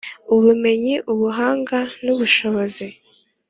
Ubumenyi ubuhanga n ubushobozi